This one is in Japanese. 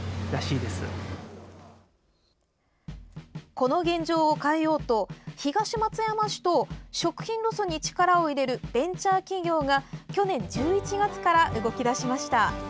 この現状を変えようと東松山市と食品ロスに力を入れるベンチャー企業が去年１１月から動き出しました。